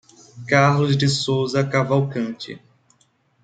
Carlos de Souza Cavalcante